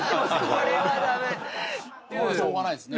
これはしょうがないですね。